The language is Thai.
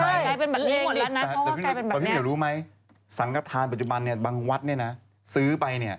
ซื้อเองดิแต่พี่หนูอยากรู้ไหมสังกฐานปัจจุบันบางวัดนี่นะซื้อไป